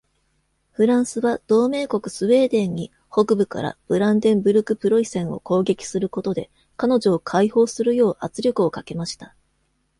フランスは同盟国スウェーデンに北部からブランデンブルクプロイセンを攻撃することで彼女を解放するよう圧力をかけました。